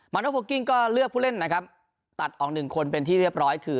โนโพกิ้งก็เลือกผู้เล่นนะครับตัดออกหนึ่งคนเป็นที่เรียบร้อยคือ